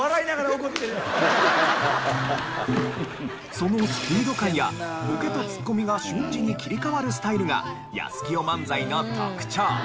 そのスピード感やボケとツッコミが瞬時に切り替わるスタイルがやすきよ漫才の特徴。